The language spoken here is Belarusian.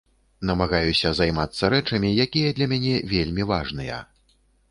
Намагаюся займацца рэчамі, якія для мяне вельмі важныя.